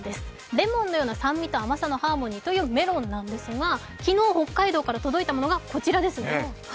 レモンのような酸味と甘さのハーモニーということなんですが昨日北海道から届いたものがこちらですね。